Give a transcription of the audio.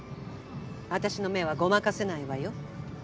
あたしの目はごまかせないわよ。